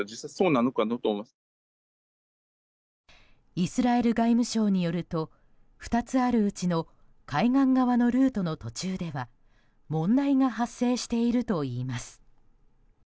イスラエル外務省によると２つあるうちの海岸側のルートの途中では問題が発生しているといいます。